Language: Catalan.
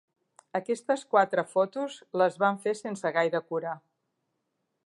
Aquestes quatre fotos les vam fer sense gaire cura.